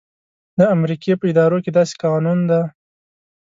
د امریکې په ادارو کې داسې قانون دی.